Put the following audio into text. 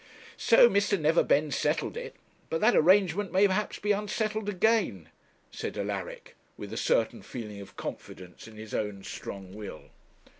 'So Mr. Neverbend settled it; but that arrangement may, perhaps, be unsettled again,' said Alaric, with a certain feeling of confidence in his own strong will.